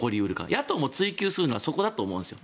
野党も追及するならそこだと思うんですよ。